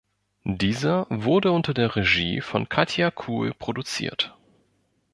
Dieser wurde unter der Regie von Katja Kuhl produziert.